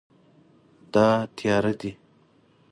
دا تیاره دی